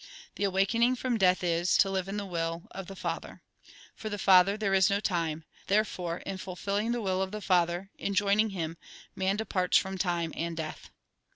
The awakening from death is, to live in the will of the Father. For the Father, tliere is no time ; therefore in fulfilling the will of the Father, in joining Him, man departs from time and death."